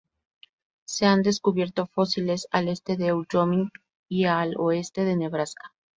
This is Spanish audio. Se han descubierto fósiles al este de Wyoming y al oeste de Nebraska.